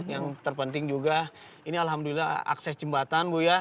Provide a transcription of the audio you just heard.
yang terpenting juga ini alhamdulillah akses jembatan bu ya